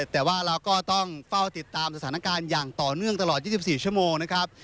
แต่ว่าเราก็ต้องเฝ้าติดตามสถานการณ์อย่างต่อเนื่องตลอด๒๔ชั่วโมงนะครับ